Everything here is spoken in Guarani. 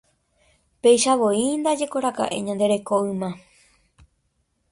Peichavoi ndajekoraka'e ñande reko yma.